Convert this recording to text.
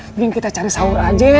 mungkin kita cari sahur aja